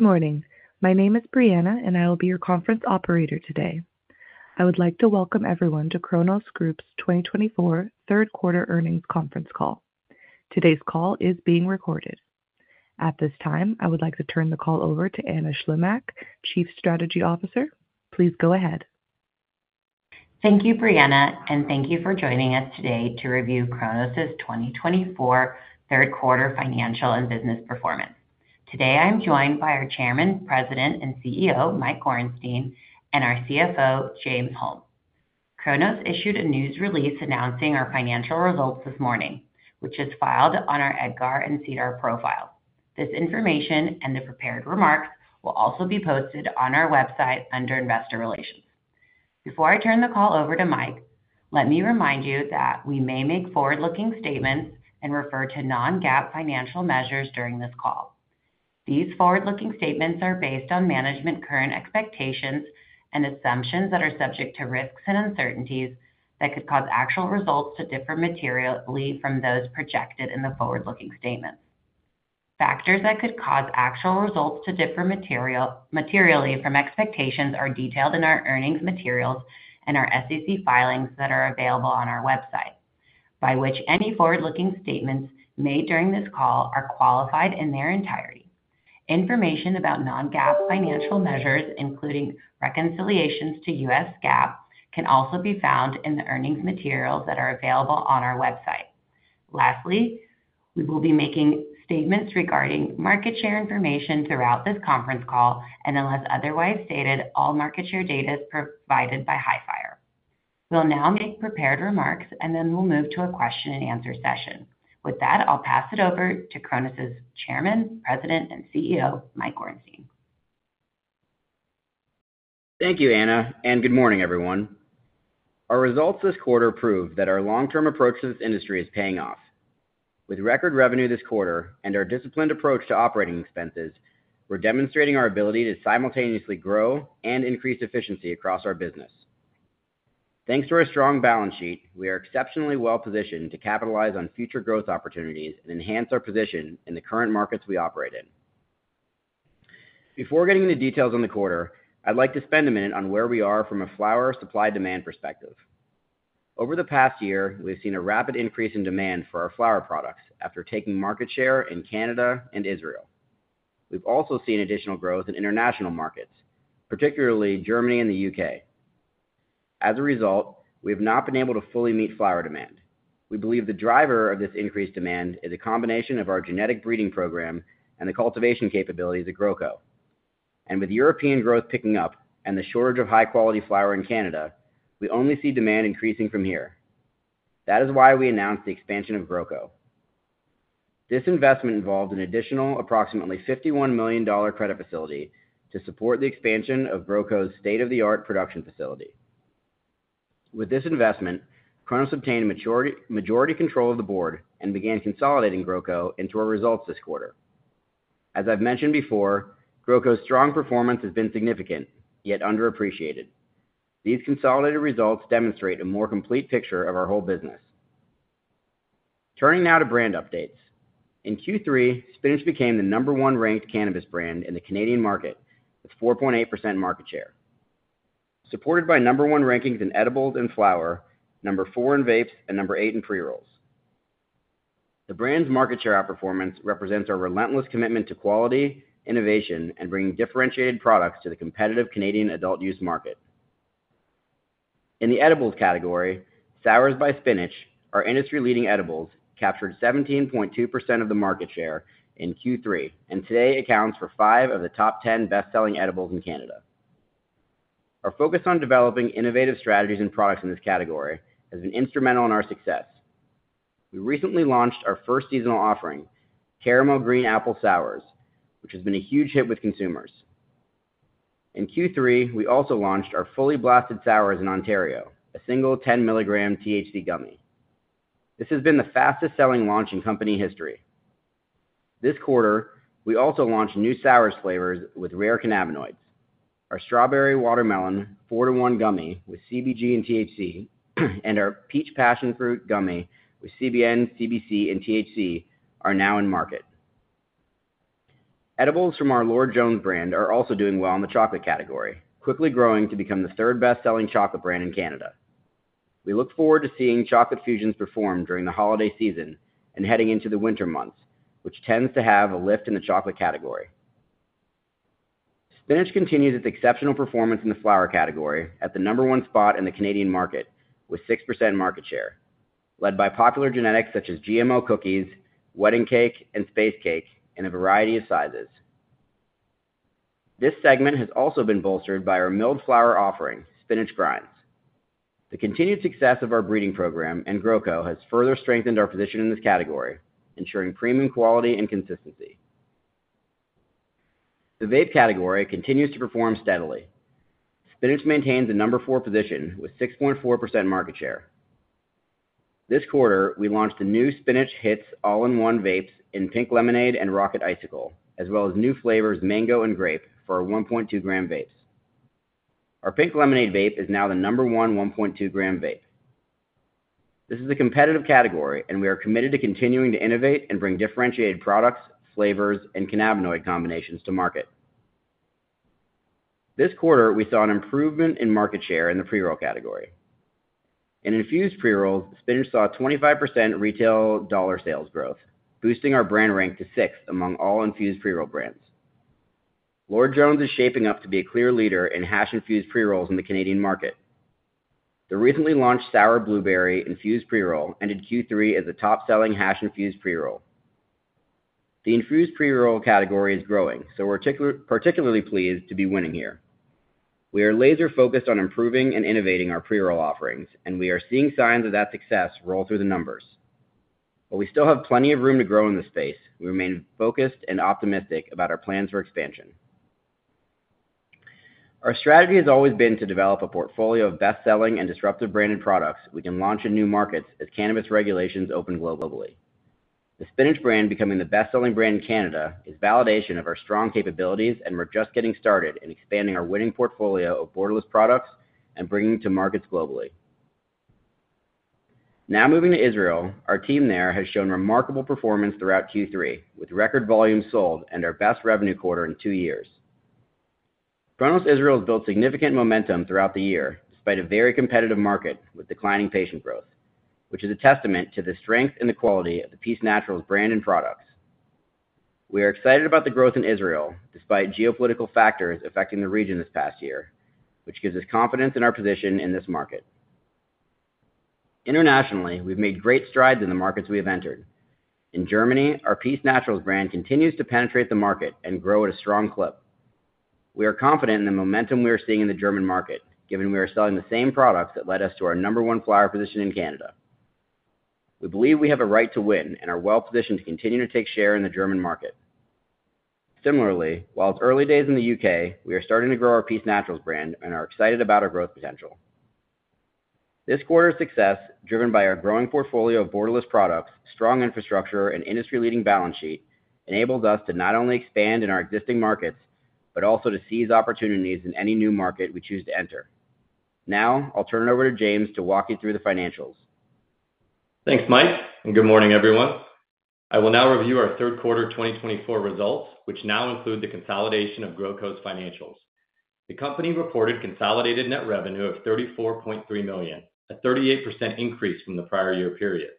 Good morning. My name is Briana, and I will be your conference operator today. I would like to welcome everyone to Cronos Group's 2024 third quarter earnings conference call. Today's call is being recorded. At this time, I would like to turn the call over to Anna Shlimak, Chief Strategy Officer. Please go ahead. Thank you, Briana, and thank you for joining us today to review Cronos's 2024 third quarter financial and business performance. Today, I'm joined by our Chairman, President, and CEO, Mike Gorenstein, and our CFO, James Holm. Cronos issued a news release announcing our financial results this morning, which is filed on our EDGAR and CEDAR profiles. This information and the prepared remarks will also be posted on our website under Investor Relations. Before I turn the call over to Mike, let me remind you that we may make forward-looking statements and refer to non-GAAP financial measures during this call. These forward-looking statements are based on management's current expectations and assumptions that are subject to risks and uncertainties that could cause actual results to differ materially from those projected in the forward-looking statements. Factors that could cause actual results to differ materially from expectations are detailed in our earnings materials and our SEC filings that are available on our website, by which any forward-looking statements made during this call are qualified in their entirety. Information about non-GAAP financial measures, including reconciliations to U.S. GAAP, can also be found in the earnings materials that are available on our website. Lastly, we will be making statements regarding market share information throughout this conference call, and unless otherwise stated, all market share data is provided by Hifyre. We'll now make prepared remarks, and then we'll move to a question-and-answer session. With that, I'll pass it over to Cronos's Chairman, President, and CEO, Mike Gorenstein. Thank you, Anna, and good morning, everyone. Our results this quarter prove that our long-term approach to this industry is paying off. With record revenue this quarter and our disciplined approach to operating expenses, we're demonstrating our ability to simultaneously grow and increase efficiency across our business. Thanks to our strong balance sheet, we are exceptionally well-positioned to capitalize on future growth opportunities and enhance our position in the current markets we operate in. Before getting into details on the quarter, I'd like to spend a minute on where we are from a flower supply-demand perspective. Over the past year, we've seen a rapid increase in demand for our flower products after taking market share in Canada and Israel. We've also seen additional growth in international markets, particularly Germany and the U.K. As a result, we have not been able to fully meet flower demand. We believe the driver of this increased demand is a combination of our genetic breeding program and the cultivation capabilities at Growco. And with European growth picking up and the shortage of high-quality flower in Canada, we only see demand increasing from here. That is why we announced the expansion of Growco. This investment involved an additional approximately $51 million credit facility to support the expansion of Growco's state-of-the-art production facility. With this investment, Cronos obtained majority control of the board and began consolidating Growco into our results this quarter. As I've mentioned before, Growco's strong performance has been significant, yet underappreciated. These consolidated results demonstrate a more complete picture of our whole business. Turning now to brand updates. In Q3, Spinach became the number one ranked cannabis brand in the Canadian market with 4.8% market share, supported by number one rankings in edibles and flower, number four in vapes, and number eight in pre-rolls. The brand's market share outperformance represents our relentless commitment to quality, innovation, and bringing differentiated products to the competitive Canadian adult use market. In the edibles category, Sours by Spinach, our industry-leading edibles, captured 17.2% of the market share in Q3 and today accounts for five of the top 10 best-selling edibles in Canada. Our focus on developing innovative strategies and products in this category has been instrumental in our success. We recently launched our first seasonal offering, Caramel Green Apple Sours, which has been a huge hit with consumers. In Q3, we also launched our Fully Blasted Sours in Ontario, a single 10-milligram THC gummy. This has been the fastest-selling launch in company history. This quarter, we also launched new Sours flavors with rare cannabinoids. Our Strawberry Watermelon 4:1 gummy with CBG and THC and our Peach Passion Fruit gummy with CBN, CBC, and THC are now in market. Edibles from our Lord Jones brand are also doing well in the chocolate category, quickly growing to become the third best-selling chocolate brand in Canada. We look forward to seeing Chocolate Fusions perform during the holiday season and heading into the winter months, which tends to have a lift in the chocolate category. Spinach continues its exceptional performance in the flower category at the number one spot in the Canadian market with 6% market share, led by popular genetics such as GMO Cookies, Wedding Cake, and Space Cake in a variety of sizes. This segment has also been bolstered by our milled flower offering, Spinach Grinds. The continued success of our breeding program and Growco has further strengthened our position in this category, ensuring premium quality and consistency. The vape category continues to perform steadily. Spinach maintains a number four position with 6.4% market share. This quarter, we launched the new Spinach Hits All-in-One Vapes in Pink Lemonade and Rocket Icicle, as well as new flavors, Mango and Grape, for our 1.2-gram vapes. Our Pink Lemonade Vape is now the number one 1.2-gram vape. This is a competitive category, and we are committed to continuing to innovate and bring differentiated products, flavors, and cannabinoid combinations to market. This quarter, we saw an improvement in market share in the pre-roll category. In infused pre-rolls, Spinach saw a 25% retail dollar sales growth, boosting our brand rank to sixth among all infused pre-roll brands. Lord Jones is shaping up to be a clear leader in hash-infused pre-rolls in the Canadian market. The recently launched Sour Blueberry infused pre-roll ended Q3 as a top-selling hash-infused pre-roll. The infused pre-roll category is growing, so we're particularly pleased to be winning here. We are laser-focused on improving and innovating our pre-roll offerings, and we are seeing signs of that success roll through the numbers. While we still have plenty of room to grow in this space, we remain focused and optimistic about our plans for expansion. Our strategy has always been to develop a portfolio of best-selling and disruptive branded products we can launch in new markets as cannabis regulations open globally. The Spinach brand becoming the best-selling brand in Canada is validation of our strong capabilities, and we're just getting started in expanding our winning portfolio of borderless products and bringing to markets globally. Now moving to Israel, our team there has shown remarkable performance throughout Q3 with record volumes sold and our best revenue quarter in two years. Cronos Israel has built significant momentum throughout the year despite a very competitive market with declining patient growth, which is a testament to the strength and the quality of the Peace Naturals brand and products. We are excited about the growth in Israel despite geopolitical factors affecting the region this past year, which gives us confidence in our position in this market. Internationally, we've made great strides in the markets we have entered. In Germany, our Peace Naturals brand continues to penetrate the market and grow at a strong clip. We are confident in the momentum we are seeing in the German market, given we are selling the same products that led us to our number one flower position in Canada. We believe we have a right to win and are well-positioned to continue to take share in the German market. Similarly, while it's early days in the U.K., we are starting to grow our Peace Naturals brand and are excited about our growth potential. This quarter's success, driven by our growing portfolio of borderless products, strong infrastructure, and industry-leading balance sheet, enables us to not only expand in our existing markets but also to seize opportunities in any new market we choose to enter. Now, I'll turn it over to James to walk you through the financials. Thanks, Mike, and good morning, everyone. I will now review our third quarter 2024 results, which now include the consolidation of Growco's financials. The company reported consolidated net revenue of $34.3 million, a 38% increase from the prior year period.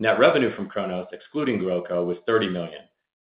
Net revenue from Cronos, excluding Growco, was $30 million,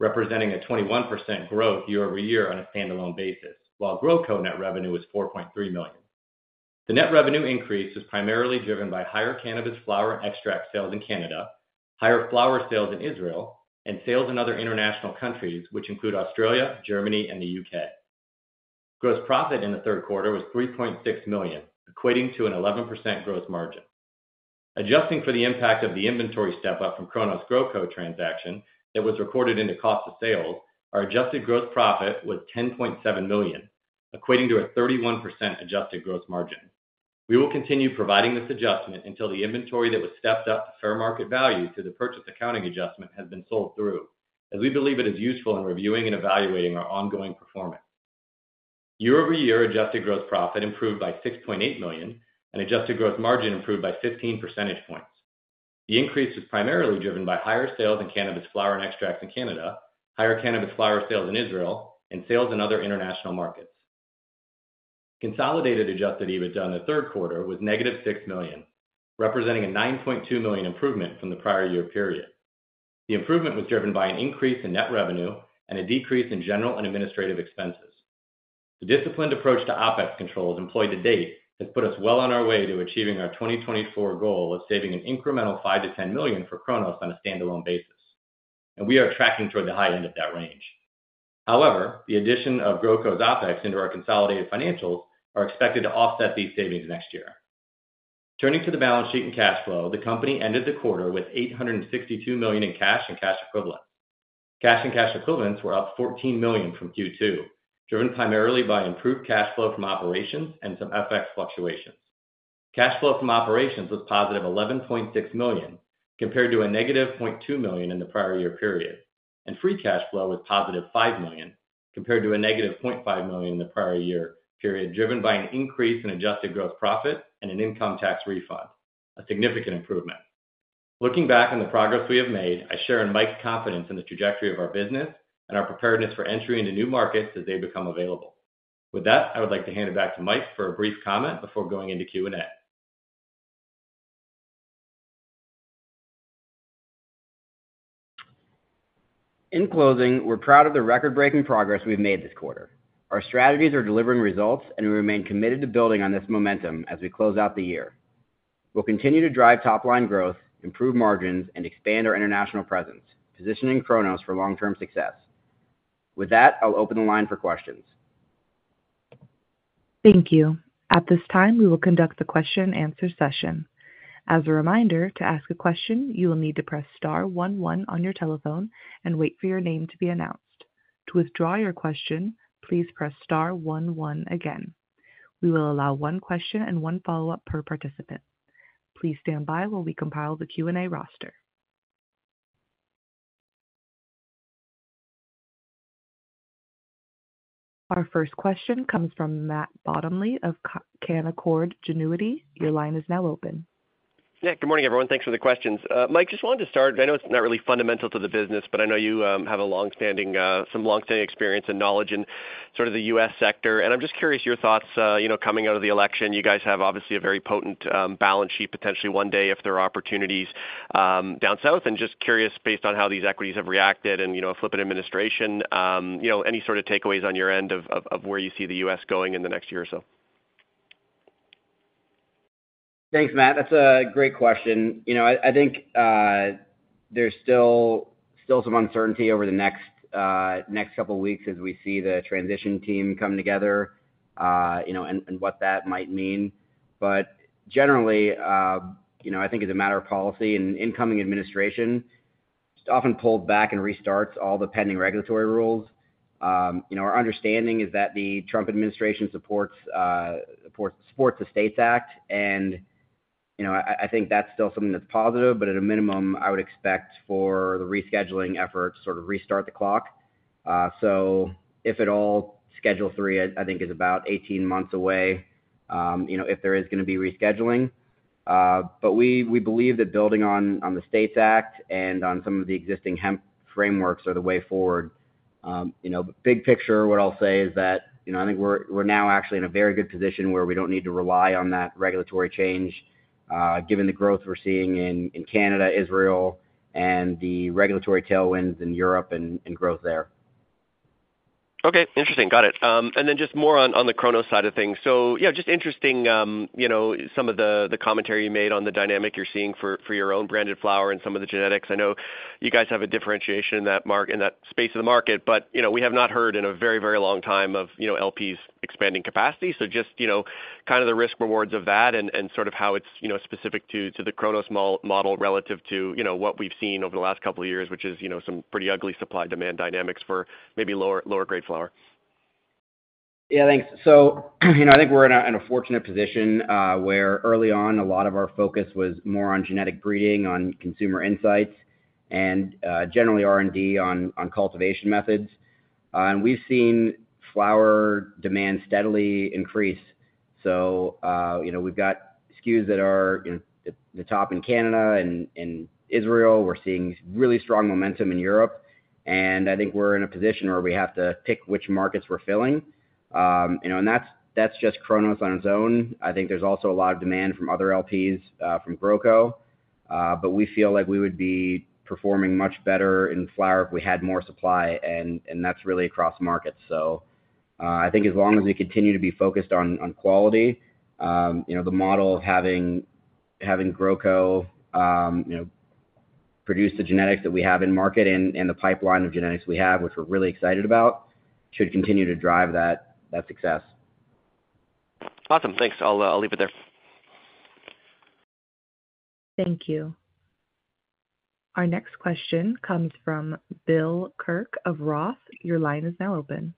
representing a 21% growth year over year on a standalone basis, while Growco net revenue was $4.3 million. The net revenue increase was primarily driven by higher cannabis flower extract sales in Canada, higher flower sales in Israel, and sales in other international countries, which include Australia, Germany, and the U.K. Gross profit in the third quarter was $3.6 million, equating to an 11% gross margin. Adjusting for the impact of the inventory step-up from Cronos' Growco transaction that was recorded into cost of sales, our adjusted gross profit was $10.7 million, equating to a 31% adjusted gross margin. We will continue providing this adjustment until the inventory that was stepped up to fair market value through the purchase accounting adjustment has been sold through, as we believe it is useful in reviewing and evaluating our ongoing performance. Year over year, adjusted gross profit improved by $6.8 million and adjusted gross margin improved by 15 percentage points. The increase was primarily driven by higher sales in cannabis flower extracts in Canada, higher cannabis flower sales in Israel, and sales in other international markets. Consolidated Adjusted EBITDA in the third quarter was negative $6 million, representing a $9.2 million improvement from the prior year period. The improvement was driven by an increase in net revenue and a decrease in general and administrative expenses. The disciplined approach to OpEx controls employed to date has put us well on our way to achieving our 2024 goal of saving an incremental $5-$10 million for Cronos on a standalone basis, and we are tracking toward the high end of that range. However, the addition of Growco's OpEx into our consolidated financials is expected to offset these savings next year. Turning to the balance sheet and cash flow, the company ended the quarter with $862 million in cash and cash equivalents. Cash and cash equivalents were up $14 million from Q2, driven primarily by improved cash flow from operations and some FX fluctuations. Cash flow from operations was positive $11.6 million compared to a negative $0.2 million in the prior year period, and free cash flow was positive $5 million compared to a negative $0.5 million in the prior year period, driven by an increase in adjusted gross profit and an income tax refund, a significant improvement. Looking back on the progress we have made, I share in Mike's confidence in the trajectory of our business and our preparedness for entry into new markets as they become available. With that, I would like to hand it back to Mike for a brief comment before going into Q&A. In closing, we're proud of the record-breaking progress we've made this quarter. Our strategies are delivering results, and we remain committed to building on this momentum as we close out the year. We'll continue to drive top-line growth, improve margins, and expand our international presence, positioning Cronos for long-term success. With that, I'll open the line for questions. Thank you. At this time, we will conduct the question-and-answer session. As a reminder, to ask a question, you will need to press star one one on your telephone and wait for your name to be announced. To withdraw your question, please press star one one again. We will allow one question and one follow-up per participant. Please stand by while we compile the Q&A roster. Our first question comes from Matt Bottomley of Canaccord Genuity. Your line is now open. Yeah, good morning, everyone. Thanks for the questions. Mike, just wanted to start. I know it's not really fundamental to the business, but I know you have some long-standing experience and knowledge in sort of the U.S. sector. And I'm just curious your thoughts. Coming out of the election, you guys have obviously a very potent balance sheet, potentially one day if there are opportunities down south. And just curious, based on how these equities have reacted and a flipping administration, any sort of takeaways on your end of where you see the U.S. going in the next year or so? Thanks, Matt. That's a great question. I think there's still some uncertainty over the next couple of weeks as we see the transition team come together and what that might mean. But generally, I think as a matter of policy, an incoming administration just often pulls back and restarts all the pending regulatory rules. Our understanding is that the Trump administration supports the STATES Act. And I think that's still something that's positive, but at a minimum, I would expect for the rescheduling effort to sort of restart the clock. So if at all, Schedule III, I think, is about 18 months away if there is going to be rescheduling. But we believe that building on the STATES Act and on some of the existing frameworks are the way forward. Big picture, what I'll say is that I think we're now actually in a very good position where we don't need to rely on that regulatory change, given the growth we're seeing in Canada, Israel, and the regulatory tailwinds in Europe and growth there. Okay, interesting. Got it, and then just more on the Cronos side of things. So yeah, just interesting some of the commentary you made on the dynamic you're seeing for your own branded flower and some of the genetics. I know you guys have a differentiation in that space of the market, but we have not heard in a very, very long time of LPs expanding capacity. So just kind of the risk-rewards of that and sort of how it's specific to the Cronos model relative to what we've seen over the last couple of years, which is some pretty ugly supply-demand dynamics for maybe lower-grade flower. Yeah, thanks. So I think we're in a fortunate position where early on, a lot of our focus was more on genetic breeding, on consumer insights, and generally R&D on cultivation methods. And we've seen flower demand steadily increase. So we've got SKUs that are at the top in Canada and Israel. We're seeing really strong momentum in Europe. And I think we're in a position where we have to pick which markets we're filling. And that's just Cronos on its own. I think there's also a lot of demand from other LPs from Growco. But we feel like we would be performing much better in flower if we had more supply. And that's really across markets. I think as long as we continue to be focused on quality, the model having Growco produce the genetics that we have in market and the pipeline of genetics we have, which we're really excited about, should continue to drive that success. Awesome. Thanks. I'll leave it there. Thank you. Our next question comes from Bill Kirk of Roth. Your line is now open.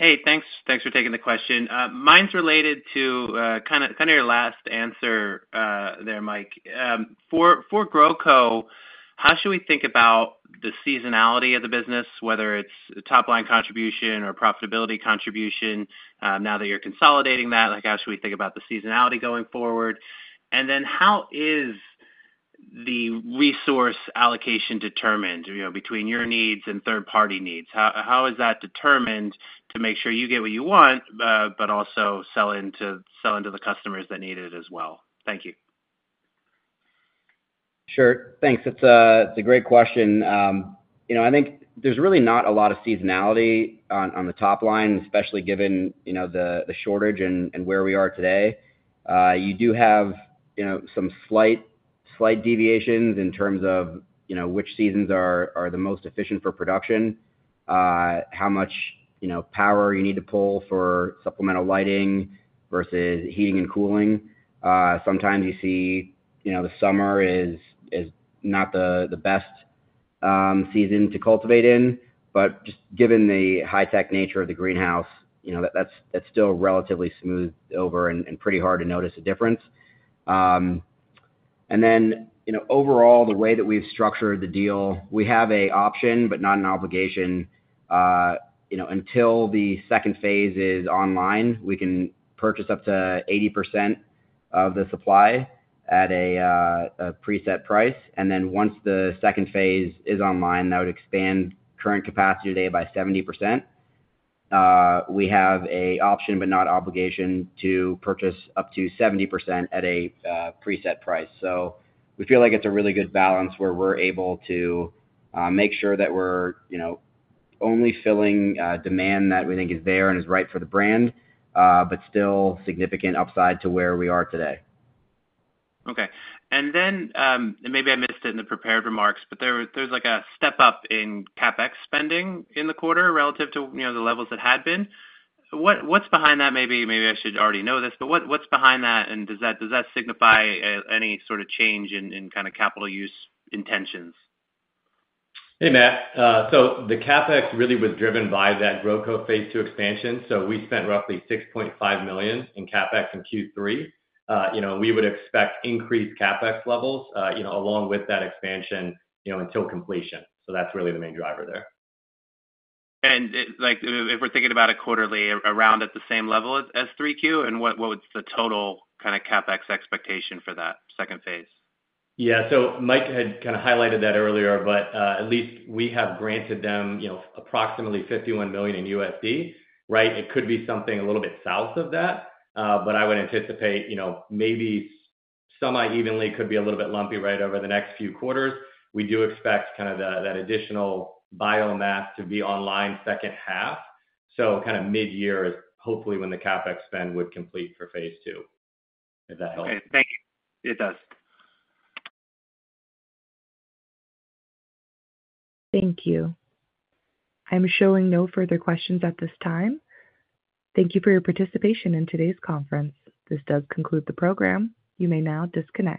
Hey, thanks. Thanks for taking the question. Mine's related to kind of your last answer there, Mike. For Growco, how should we think about the seasonality of the business, whether it's top-line contribution or profitability contribution now that you're consolidating that? How should we think about the seasonality going forward? And then how is the resource allocation determined between your needs and third-party needs? How is that determined to make sure you get what you want but also sell into the customers that need it as well? Thank you. Sure. Thanks. It's a great question. I think there's really not a lot of seasonality on the top line, especially given the shortage and where we are today. You do have some slight deviations in terms of which seasons are the most efficient for production, how much power you need to pull for supplemental lighting versus heating and cooling. Sometimes you see the summer is not the best season to cultivate in. But just given the high-tech nature of the greenhouse, that's still relatively smooth over and pretty hard to notice a difference. And then overall, the way that we've structured the deal, we have an option but not an obligation. Until the second phase is online, we can purchase up to 80% of the supply at a preset price. And then once the second phase is online, that would expand current capacity today by 70%. We have an option but not obligation to purchase up to 70% at a preset price. So we feel like it's a really good balance where we're able to make sure that we're only filling demand that we think is there and is right for the brand but still significant upside to where we are today. Okay. And then maybe I missed it in the prepared remarks, but there's a step-up in CapEx spending in the quarter relative to the levels that had been. What's behind that? Maybe I should already know this, but what's behind that? And does that signify any sort of change in kind of capital use intentions? Hey, Matt. So the CapEx really was driven by that Growco phase two expansion. So we spent roughly $6.5 million in CapEx in Q3. We would expect increased CapEx levels along with that expansion until completion. So that's really the main driver there. And if we're thinking about it quarterly, around at the same level as 3Q, and what's the total kind of CapEx expectation for that second phase? Yeah. So Mike had kind of highlighted that earlier, but at least we have granted them approximately $51 million in USD. Right? It could be something a little bit south of that, but I would anticipate maybe semi-evenly, could be a little bit lumpy right over the next few quarters. We do expect kind of that additional biomass to be online second half. So kind of mid-year is hopefully when the CapEx spend would complete for phase two, if that helps. Okay. Thank you. It does. Thank you. I'm showing no further questions at this time. Thank you for your participation in today's conference. This does conclude the program. You may now disconnect.